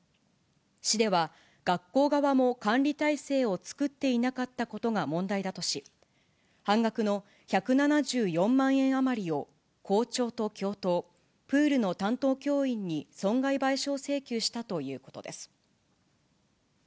市では、学校側も管理体制を作っていなかったことが問題だとし、半額の１７４万円余りを校長と教頭、プールの担当教員に損害賠償請求したということです。